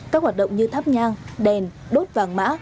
các hoạt động như thắp nhang đèn đốt vàng mã